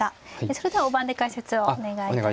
それでは大盤で解説をお願いいたします。